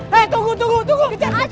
hei tunggu tunggu tunggu